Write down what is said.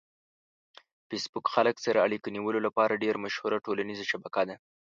فېسبوک خلک سره اړیکه نیولو لپاره ډېره مشهوره ټولنیزه شبکه ده.